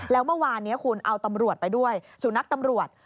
แล้วเมื่อวานนี้คุณเอาตำรวจไปด้วยสุนัขตำรวจ